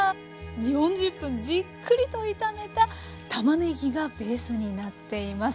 ４０分じっくりと炒めたたまねぎがベースになっています